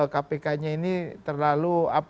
kpk ini terlalu